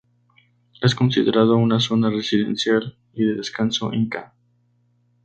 Es considerado una zona residencial y de descanso inca.